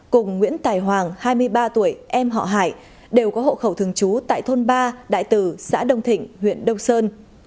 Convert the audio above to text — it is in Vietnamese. cùng nguyễn tài hoàng hai mươi ba tuổi em họ hải đều có hộ khẩu thường trú tại thôn ba đại tử xã đông thịnh huyện đông sơn